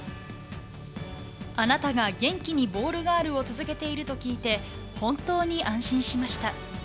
あなたが元気にボールガールを続けていると聞いて、本当に安心しました。